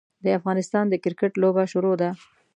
د افغانستان د کرکیټ لوبه شروع ده.